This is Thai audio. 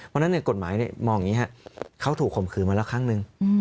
เพราะฉะนั้นกฎหมายมองอย่างนี้ครับเขาถูกข่มขืนมาแล้วครั้งหนึ่ง